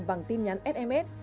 bằng tin nhắn sms